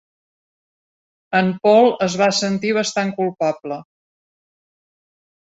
En Paul es va sentir bastant culpable.